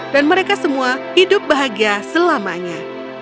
dan mereka semua hidup bahagia selamanya